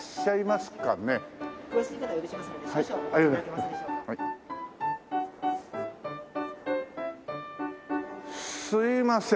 すいません。